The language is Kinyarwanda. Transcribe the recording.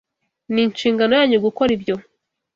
Ni inshingano yanyu gukora ibyo